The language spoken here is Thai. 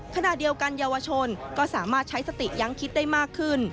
ขณะเดียวกันเยาวชนก็สามารถใช้สติยังคิดได้มากขึ้น